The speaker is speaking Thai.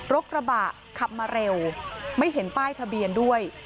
กระบะขับมาเร็วไม่เห็นป้ายทะเบียนด้วย